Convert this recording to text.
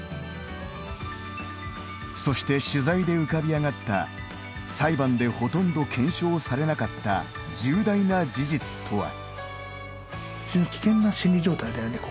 そして取材で浮かび上がった裁判でほとんど検証されなかった重大な事実とは。